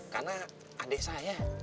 karena adik saya